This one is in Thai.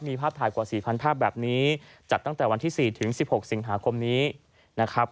มีภาพถ่ายกว่าสี่พันธุ์ภาพแบบนี้จัดตั้งแต่วันที่สี่ถึงสิบหกสิงหาคมนี้นะครับ